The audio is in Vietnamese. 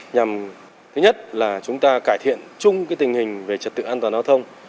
nhằm thứ nhất là chúng ta cải thiện chung tình hình về trật tự an toàn giao thông